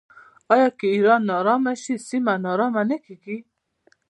آیا که ایران ناارامه شي سیمه ناارامه نه کیږي؟